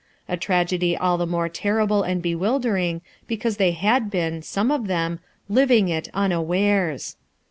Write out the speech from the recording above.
A tragedy all the more terrible and bewildering because they had been — some of them — living it unawares.